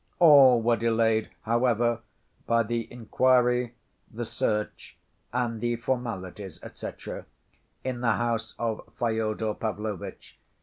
All were delayed, however, by the inquiry, the search, and the formalities, etc., in the house of Fyodor Pavlovitch.